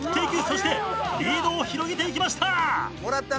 そしてリードを広げていきました！